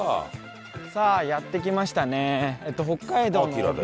さあやって来ましたね。